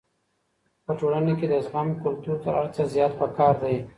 په ټولنه کي د زغم کلتور تر هر څه زيات پکار دی.